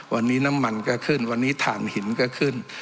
วันนี้น้ำมันก็ขึ้นวันนี้ฐานหินก็ขึ้น